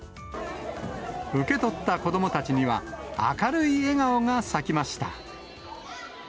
受け取った子どもたちには、明るい笑顔が咲きました。